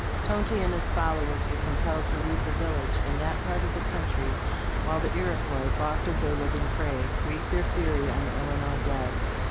Tonty and his followers were compelled to leave the village and that part of the country, while the Iroquois, balked of their living prey, "wreaked their fury on the Illinois dead.